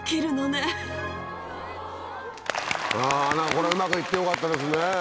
あぁこれはうまく行ってよかったですね。